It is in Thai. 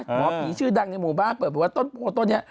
หมอผีชื่อดังในหมู่บ้านเปิดบอกว่าต้นโพต้นนี้